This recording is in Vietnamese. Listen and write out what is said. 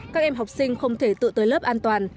các em học sinh không thể tự tới lớp an toàn